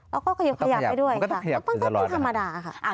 มันก็มันต้องกินธรรมดาค่ะ